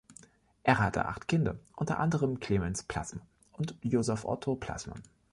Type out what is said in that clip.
Er hatte acht Kinder, unter anderem Clemens Plassmann und Joseph Otto Plassmann.